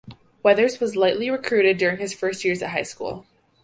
Weathers was lightly recruited during his first years at high school.